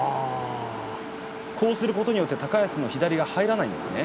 こうすることで高安の左が入らないんですね。